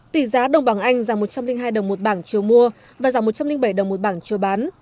tỷ giá đồng bảng anh giảm một trăm linh hai đồng một bảng chiều mua và giảm một trăm linh bảy đồng một bảng chiều bán